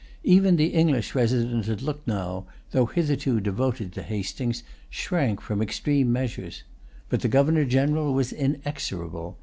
Even the English resident at Lucknow, though hitherto devoted to Hastings, shrank from extreme measures. But the Governor General was inexorable.